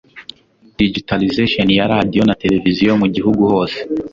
digitalization ya radio na television mu gihugu hose